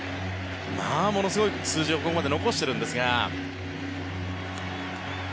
ものすごい数字をここまで残しているんですが。